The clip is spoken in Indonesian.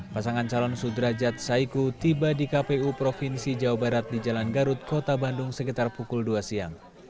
pasangan calon sudrajat saiku tiba di kpu provinsi jawa barat di jalan garut kota bandung sekitar pukul dua siang